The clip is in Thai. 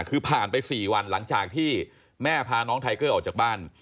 คือผ่านไป๔วันหลังจากที่แม่พาน้องไทเกอร์ออกจากบ้าน